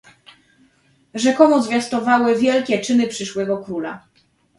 Rzekomo zwiastowały wielkie czyny przyszłego króla.